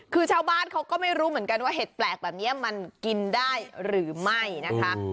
คือชาวบ้านเขาก็ไม่รู้เหมือนกันว่าเห็ดแปลกแบบนี้มันกินได้หรือไม่นะคะ